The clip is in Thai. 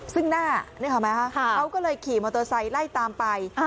ซึ่งหน้าเขาเลยขี่มอเตอร์ไซต์ไล่ตามไป